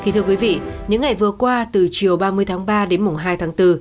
thưa quý vị những ngày vừa qua từ chiều ba mươi tháng ba đến mùng hai tháng bốn